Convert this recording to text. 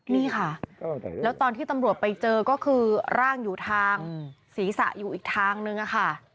นี่ค่ะแล้วตอนที่ตำรวจไปเจอก็คือร่างอยู่ทางศีรษะอยู่อีกทางนึงค่ะ